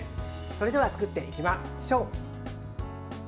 それでは作っていきましょう！